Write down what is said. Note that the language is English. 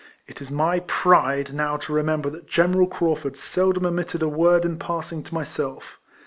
It is my pride now to remember that General Craufurd seldom omitted a word in passing to myself.